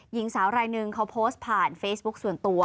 หญิงสาวรายหนึ่งเขาโพสต์ผ่านเฟซบุ๊คส่วนตัว